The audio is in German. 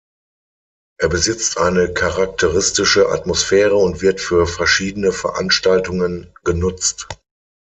Er besitzt eine charakteristische Atmosphäre und wird für verschiedene Veranstaltungen genutzt.